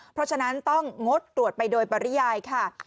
เพราะฉะนั้นต้องงดตรวจไปโดยปริยายค่ะ